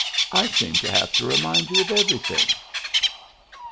" I seem to have to remind you of everything."